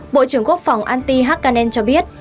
bộ trưởng quốc phòng antti hakanen cho biết